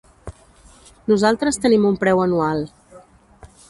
Nosaltres tenim un preu anual.